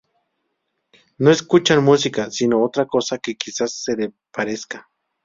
no escuchan música sino otra cosa que quizás se le parezca